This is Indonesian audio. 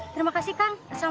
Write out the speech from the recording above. terima kasih kang assalamualaikum